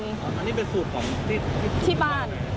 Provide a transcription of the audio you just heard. อันนี้เป็นสูตรของที่บ้าน